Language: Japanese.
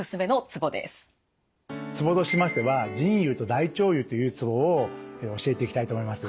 ツボとしましては腎兪と大腸兪というツボを教えていきたいと思います。